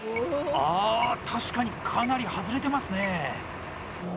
あ、確かにかなり外れてますね。